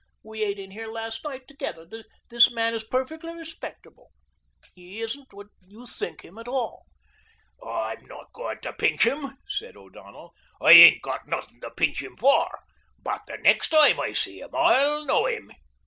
We ate in here last night together. This man is perfectly respectable. He isn't what you think him, at all." "I'm not going to pinch him," said O'Donnell; "I ain't got nothin' to pinch him for, but the next time I see him I'll know him."